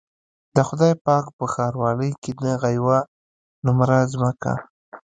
د خدای پاک په ښاروالۍ کې دغه يوه نومره ځمکه.